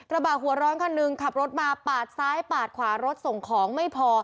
กระบะหัวร้อนคันหนึ่งขับรถมาปาดซ้ายปาดขวารถส่งของไม่พอ